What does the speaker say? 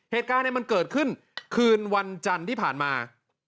เหตุการณ์มันเกิดขึ้นคืนวันจันทร์ที่ผ่านมา